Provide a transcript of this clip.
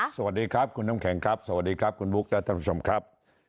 สวัสดีครับคุณน้ำแข็งครับสวัสดีครับคุณบุ๊คและท่านผู้ชมครับ